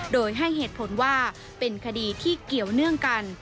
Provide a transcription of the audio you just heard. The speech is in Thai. โดยให้เหตุผลว่าเป็นคดีที่เกี่ยวเนื่องกัน